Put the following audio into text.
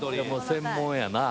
専門やな。